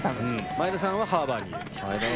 前田さんはハーバーにいる。